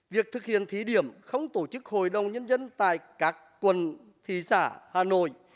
việc thực hiện thí điểm không tổ chức hội đồng nhân dân tại các quần thị xã hà nội